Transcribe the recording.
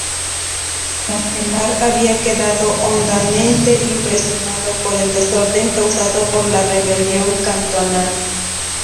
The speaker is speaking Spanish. Castelar había quedado hondamente impresionado por el desorden causado por la rebelión cantonal.